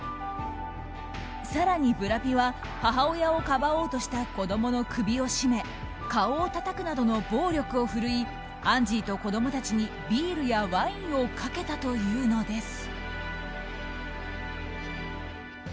更にブラピは母親をかばおうとした子供の首を絞め顔をたたくなどの暴力を振るいアンジーと子供たちにビールやワインをかけたというのです。